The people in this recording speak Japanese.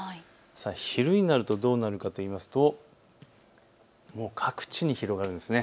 昼になるとどうなるかといいますともう各地に広がるんです。